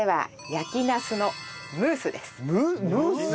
焼きナスのムース？